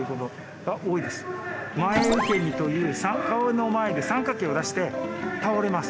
前受け身という顔の前で三角形を出して倒れます。